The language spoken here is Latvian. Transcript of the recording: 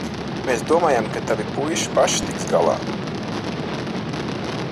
Mēs domājām, ka tavi puiši paši tiks galā.